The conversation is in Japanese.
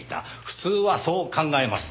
普通はそう考えます。